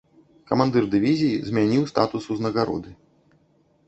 Камандзір дывізіі змяніў статус ўзнагароды.